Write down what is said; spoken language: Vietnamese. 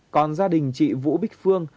còn gia đình chị vũ bích phương